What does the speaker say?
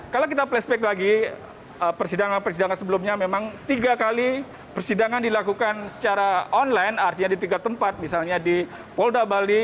kalau kita flashback lagi persidangan persidangan sebelumnya memang tiga kali persidangan dilakukan secara online artinya di tiga tempat misalnya di polda bali